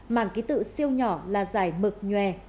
mảng ký tự siêu nhỏ là dài mực nhòe